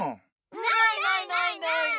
ないないないない。